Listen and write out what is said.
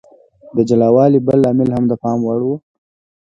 د جلا والي بل لامل هم د پام وړ و.